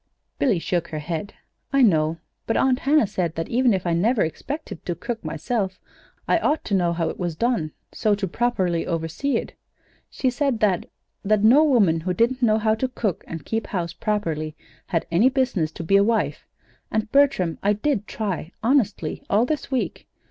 Billy shook her head. "I know; but Aunt Hannah said that even if I never expected to cook, myself, I ought to know how it was done, so to properly oversee it. She said that that no woman, who didn't know how to cook and keep house properly, had any business to be a wife. And, Bertram, I did try, honestly, all this week.